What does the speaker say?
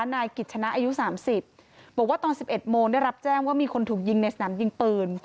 นายกิจชนะอายุ๓๐บอกว่าตอน๑๑โมงได้รับแจ้งว่ามีคนถูกยิงในสนามยิงปืน